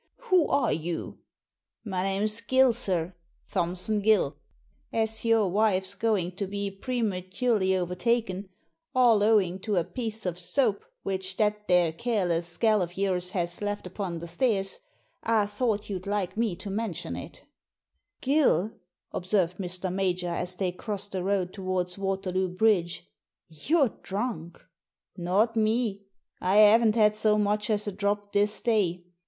"Who are you?" "My name's Gill, sir— Thompson Gill. As your Digitized by VjOOQIC ii8 THE SEEN AND THE UNSEEN wife's going to be prematurely overtaken, all owing to a piece of soap which that there careless gal of yours has left upon the stairs, I thought you'd like me to mention it" "Gill," observed Mr. Major, as they crossed the road towards Waterloo Bridge, "you're drunk." " Not me. I haven't had so much as a drop this day.